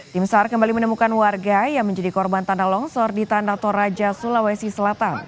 tim sar kembali menemukan warga yang menjadi korban tanah longsor di tanah toraja sulawesi selatan